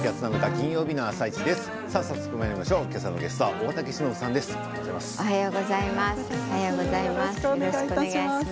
金曜日の「あさイチ」です。